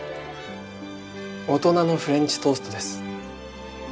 大人のフレンチトーストです。